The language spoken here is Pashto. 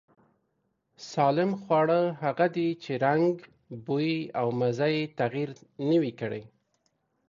سالم خواړه هغه دي چې رنگ، بوی او مزې يې تغير نه وي کړی.